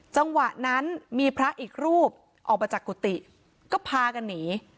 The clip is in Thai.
จังหวะนั้นมีพระอีกรูปออกมาจากกุฏิก็พากันหนี